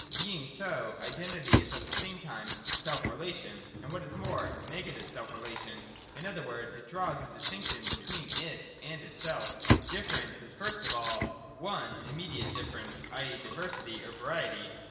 Being so, Identity is at the same time self relation, and, what is more, negative self relation ; in other words, it draws a distinction between it and itself 117.J Difference is, first of all, (i) immediate differ ence, i.e. Diversity or Variety.